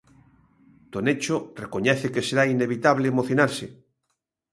Tonecho recoñece que será inevitable emocionarse.